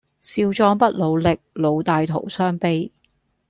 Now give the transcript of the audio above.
少壯不努力，老大徒傷悲